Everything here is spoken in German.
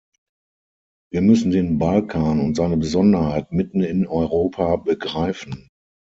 Wir müssen den Balkan und seine Besonderheit mitten in Europa begreifen.